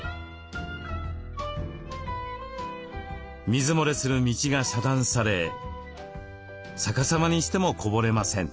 水漏れする道が遮断され逆さまにしてもこぼれません。